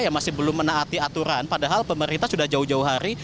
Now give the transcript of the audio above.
yang masih belum menaati aturan padahal pemerintah sudah jauh jauh hari